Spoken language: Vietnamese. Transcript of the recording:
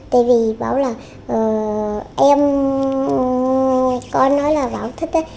tại vì bảo là em có nói là bảo thích đấy